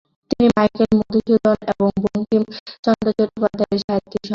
তিনি মাইকেল মধুসূদন দত্ত এবং বঙ্কিমচন্দ্র চট্টোপাধ্যায়েরও সাহিত্য সমালোচক।